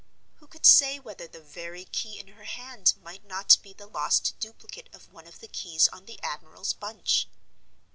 Who could say whether the very key in her hand might not be the lost duplicate of one of the keys on the admiral's bunch?